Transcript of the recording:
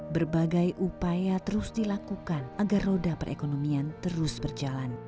berbagai upaya terus dilakukan agar roda perekonomian terus berjalan